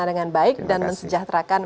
kami berharap ini pribadi juga di dalam